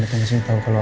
dateng kesini tau kalo